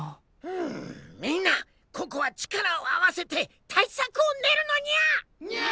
うんみんなここは力を合わせて対策を練るのニャ！